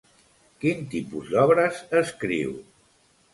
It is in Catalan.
Quin tipus d'obres escriu?